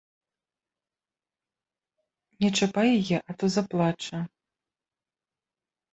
Не чапай яе, а то заплача!